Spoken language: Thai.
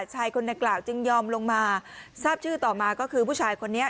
ชายคนดังกล่าวจึงยอมลงมาทราบชื่อต่อมาก็คือผู้ชายคนนี้